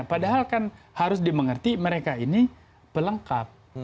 padahal kan harus dimengerti mereka ini pelengkap